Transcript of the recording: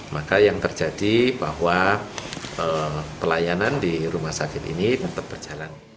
maka yang terjadi bahwa pelayanan di rumah sakit ini tetap berjalan